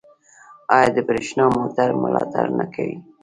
آیا د بریښنايي موټرو ملاتړ نه کوي؟